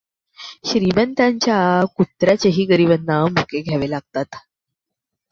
श्रीमंताच्या कुत्र्यांचेही गरिबांना मुके घ्यावे लागतात.